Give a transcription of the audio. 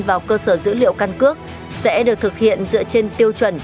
vào cơ sở dữ liệu căn cước sẽ được thực hiện dựa trên tiêu chuẩn